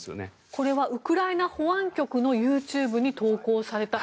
これはウクライナ保安局のＹｏｕＴｕｂｅに投稿された。